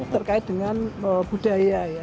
terkait dengan budaya ya